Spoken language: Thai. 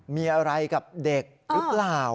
มีอะไรกับเด็กหรือเปล่า